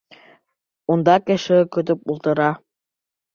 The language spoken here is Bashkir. Унда кеше көтөп ултыра!